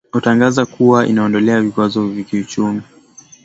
otangaza kuwa inaondolea vikwazo vya kiuchumi